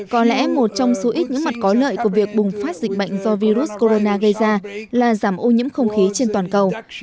có lẽ một trong số ít những mặt có lợi của việc bùng phát dịch bệnh do virus corona gây ra là giảm ô nhiễm không khí trên toàn cầu